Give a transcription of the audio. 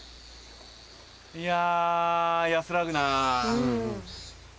いや安らぐなぁ。